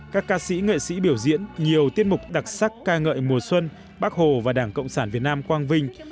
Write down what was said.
các ca sĩ nghệ sĩ biểu diễn nhiều tiết mục đặc sắc ca ngợi mùa xuân bắc hồ và đảng cộng sản việt nam quang vinh